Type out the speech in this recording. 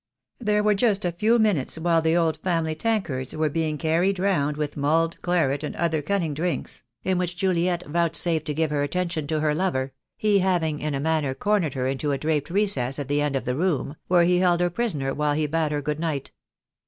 There were just a few minutes, while the old family tankards were being carried round with mulled claret and other cunning drinks, in which Juliet vouchsafed to I 6 THE DAY WILL COME. give her attention to her lover, he having in a manner cornered her into a draped recess at the end of the room, where he held her prisoner while he bade her good night.